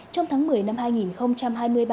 trong tháng một mươi năm hai nghìn hai mươi ba